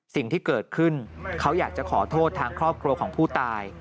สิ่งที่เกิดขึ้นเขาอยากจะขอโทษทางครอบครัวของผู้ตาย